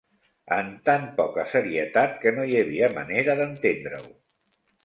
Am tant poca serietat que no hi havia manera d'entendre-ho